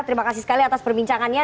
terima kasih sekali atas perbincangannya